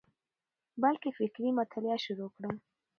بلکي فکري مطالعه شروع کړه،